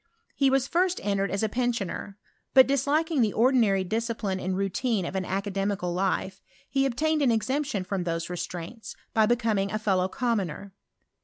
He was first en tered as. a pensioner ; but disliking the ordinary dis cijriiiie and routine of an academicallife, he obtained an.cxemption rfrom those restraints, by becoming a. fidiow commoner.